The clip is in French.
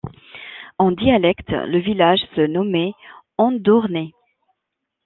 En dialecte, le village se nommait Andornè.